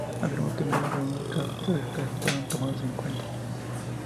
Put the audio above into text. afirmó que menos de uno de cada tres casos fueron tomados en cuenta